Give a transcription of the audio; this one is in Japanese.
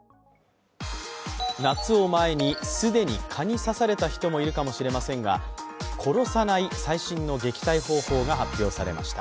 夏を前に、既に蚊に刺された人もいるかもしれませんが、殺さない最新の撃退方法が発表されました。